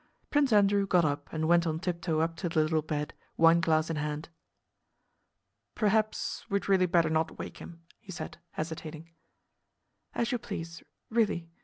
Prince Andrew got up and went on tiptoe up to the little bed, wineglass in hand. "Perhaps we'd really better not wake him," he said hesitating. "As you please... really...